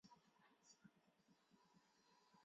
至正二十四年。